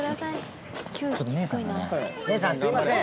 姉さんすいません。